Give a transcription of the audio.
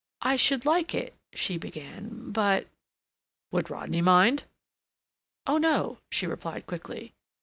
"I should like it," she began, "but—" "Would Rodney mind?" "Oh no," she replied quickly.